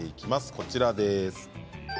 こちらです。